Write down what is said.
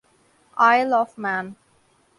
oil of main